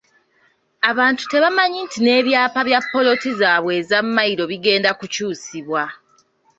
Abantu tebamanyi nti n'ebyapa bya ppoloti zaabwe eza mmayiro bigenda kukyusibwa.